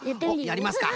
やりますか。